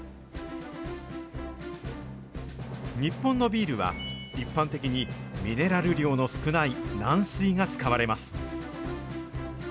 日本のビールは、一般的にミネラル量の少ない軟水が使われます。